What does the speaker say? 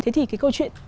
thế thì cái câu chuyện